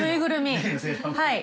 はい。